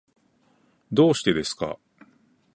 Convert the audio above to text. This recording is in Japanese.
どうしてですか？